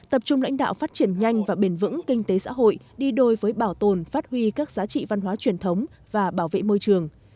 tập trung lãnh đạo phát triển nhanh và bền vững kinh tế xã hội đi đôi với bảo tồn phát huy các giá trị văn hóa truyền thống và bảo vệ môi trường